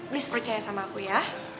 list percaya sama aku ya